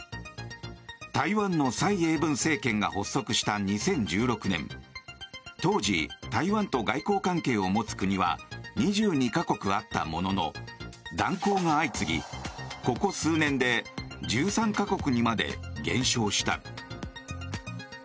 台湾の蔡英文政権が発足した２０１６年当時、台湾と外交関係を持つ国は２２か国あったものの断交が相次ぎ、ここ数年で１３か国にまで減少した。